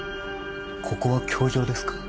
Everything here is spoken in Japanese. ここは教場ですか？